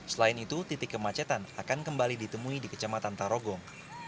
selain itu titik kemacetan akan kembali ditemui di kecamatan tarogong